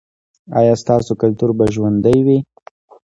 ایا ستاسو کلتور به ژوندی وي؟